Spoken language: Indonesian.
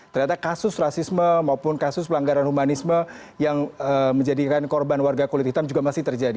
ternyata kasus rasisme maupun kasus pelanggaran humanisme yang menjadikan korban warga kulit hitam juga masih terjadi